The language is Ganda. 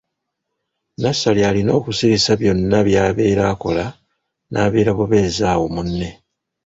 Nassali alina okusirisa byonna by'abeera akola n'abeera bubeezi awo munne.